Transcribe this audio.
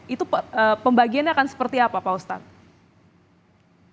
itu pembagiannya akan seperti apa pak ustadz